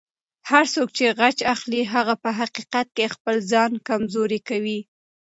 هر څوک چې غچ اخلي، هغه په حقیقت کې خپل ځان کمزوری کوي.